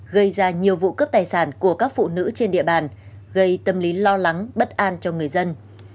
gây ra nhiều vụ cướp tài sản của các phụ nữ trên địa bàn gây tâm lý lo lắng bất an cho người dân